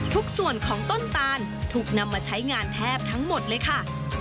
ทุกส่วนของต้นตานถูกนำมาใช้งานแทบทั้งหมดเลยค่ะ